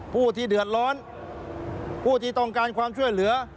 ผู้ที่เดือดร้อนผู้ที่ต้องการความช่วยเหลือ